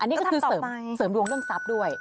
นี่ก็คือเสริมดวงเรื่องทรัพย์ด้วย